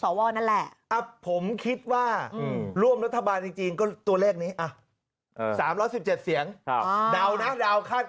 สวนนั่นแหละผมคิดว่าร่วมรัฐบาลจริงก็ตัวเลขนี้๓๑๗เสียง